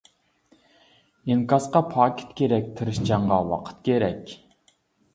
ئىنكاسقا پاكىت كېرەك، تىرىشچانغا ۋاقىت كېرەك.